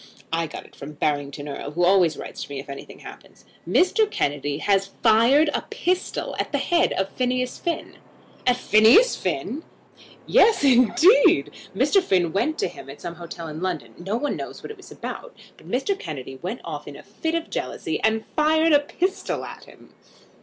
"I got it from Barrington Erle, who always writes to me if anything happens. Mr. Kennedy has fired a pistol at the head of Phineas Finn." "At Phineas Finn!" "Yes, indeed. Mr. Finn went to him at some hotel in London. No one knows what it was about; but Mr. Kennedy went off in a fit of jealousy, and fired a pistol at him."